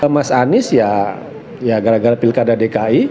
mas anies ya gara gara pilkada dki